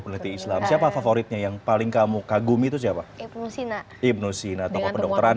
peneliti islam siapa favoritnya yang paling kamu kagumi itu siapa ibnu sina ibnu sina tokoh kedokteran